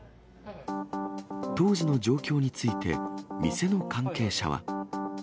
当時の状況について、店の関係者は。